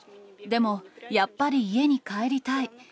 でも、やっぱり家に帰りたい。